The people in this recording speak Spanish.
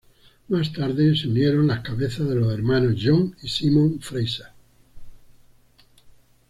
Más tarde se unieron las cabezas de los hermanos John y Simon Fraser.